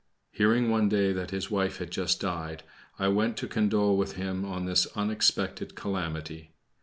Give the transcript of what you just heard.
Hearing one day that his wife had just died, I went to condole with him on this unexpected calamity.